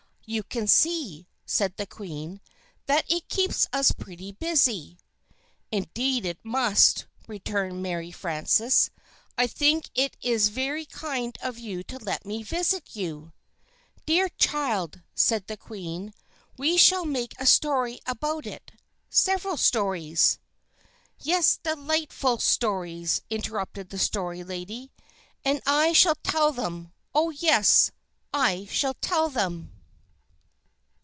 "You can see," said the Queen, "that it keeps us pretty busy." "Indeed, it must," returned Mary Frances. "I think it's very kind of you to let me visit you." "Dear child," said the Queen, "we shall make a story about it several stories " "Yes, delightful stories," interrupted the Story Lady, "and I shall tell them! Oh, yes, I shall tell them!"